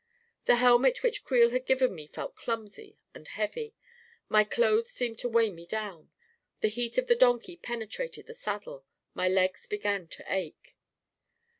The helmet which Creel had given me felt clumsy and heavy; my clothes seemed to weigh me down; the heat of the donkey penetrated the saddle; my legs began to ache